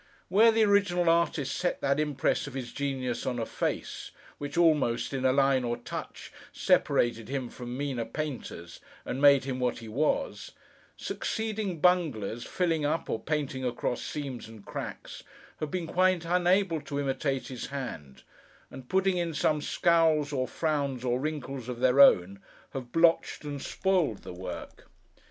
Where the original artist set that impress of his genius on a face, which, almost in a line or touch, separated him from meaner painters and made him what he was, succeeding bunglers, filling up, or painting across seams and cracks, have been quite unable to imitate his hand; and putting in some scowls, or frowns, or wrinkles, of their own, have blotched and spoiled the work.